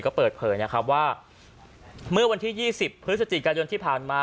ก็เปิดเผยนะครับว่าเมื่อวันที่๒๐พฤศจิกายนที่ผ่านมา